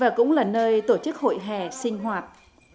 và cũng là nơi tổ chức hội hè sinh hoạt